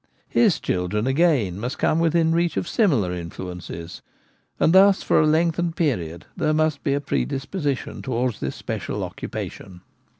His children, again, must come within reach of similar k His Old Age. 37 influences, and thus for a lengthened period there must be a predisposition towards this special occupation.